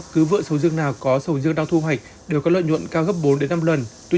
cứ vựa sầu riêng nào có sầu riêng đang thu hoạch đều có lợi nhuận cao gấp bốn năm lần tuy